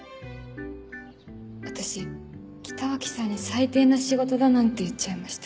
私北脇さんに最低な仕事だなんて言っちゃいました。